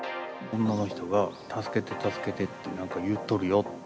女の人が、助けて、助けてって、なんか言っとるよ。